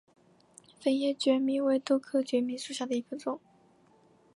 粉叶决明为豆科决明属下的一个种。